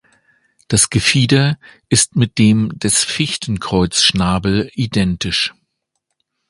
Das Gefieder ist mit dem des Fichtenkreuzschnabel identisch.